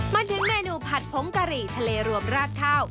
มาถึงเมนูผัดผงกะหรี่ทะเลรวมราดข้าว